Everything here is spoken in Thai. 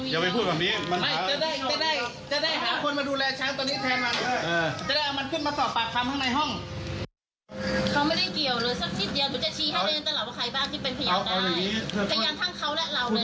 อย่าไปพูดอย่าไปพูดแบบนี้ดิ